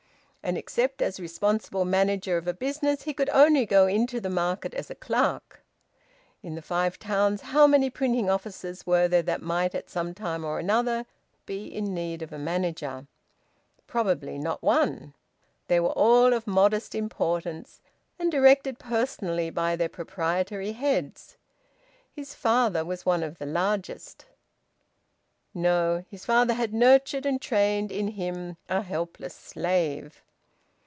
And, except as responsible manager of a business, he could only go into the market as a clerk. In the Five Towns how many printing offices were there that might at some time or another be in need of a manager? Probably not one. They were all of modest importance, and directed personally by their proprietary heads. His father's was one of the largest... No! His father had nurtured and trained, in him, a helpless slave.